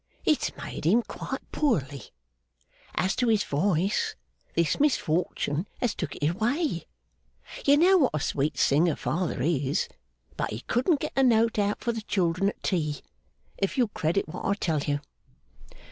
It's made him quite poorly. As to his voice, this misfortune has took it away. You know what a sweet singer father is; but he couldn't get a note out for the children at tea, if you'll credit what I tell you.